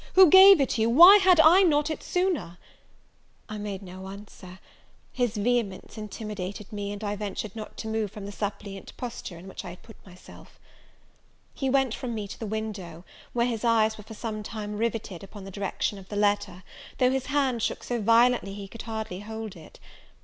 who gave it you why had I it not sooner?" I made no answer; his vehemence intimidated me, and I ventured not to move from the suppliant posture in which I had put myself. He went from me to the window, where his eyes were for some time rivetted upon the direction of the letter, though his hand shook so violently he could hardly hold it.